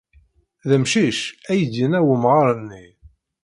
D amcic?, ay d-yenna wemɣar-nni.